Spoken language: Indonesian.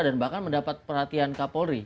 dan bahkan mendapat perhatian kpk polri